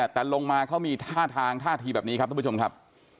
แต่ลงมาเขามีท่าทางท่าทีแบบนี้ครับท่านผู้ชมครับ